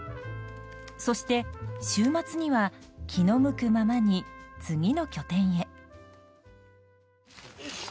そして週末には気の向くままに次の拠点へ。